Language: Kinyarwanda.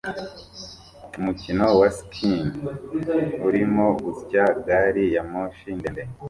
Umukino wa skine urimo gusya gari ya moshi ndende